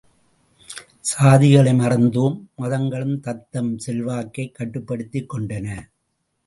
சாதிகளை மறந்தோம் மதங்களும் தத்தம் செல்வாக்கைக் கட்டுப்படுத்திக் கொண்டன.